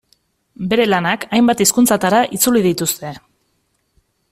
Bere lanak hainbat hizkuntzatara itzuli dituzte.